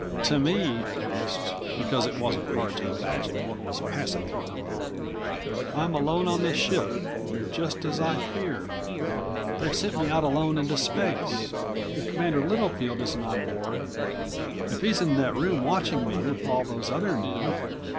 To me, at least, because it wasn't hard to imagine what was passing through her mind. _I'm alone on the ship ... just as I feared. They've sent me out alone into space. If Commander Littlefield isn't on board ... if he's in that room watching me with all those other men